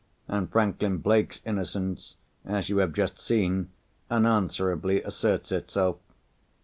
And Franklin Blake's innocence, as you have just seen, unanswerably asserts itself.